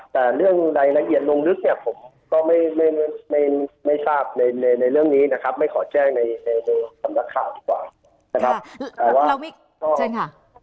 แต่เรื่องใดละเอียดลงนึกผมก็ไม่ทราบในเรื่องนี้ไม่ขอแจ้งในคำถัดข่าวที่กว่า